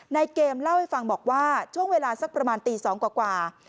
ในเกมเล่าให้ฟังบอกว่าช่วงเวลาสักประมาณตี๒กว่า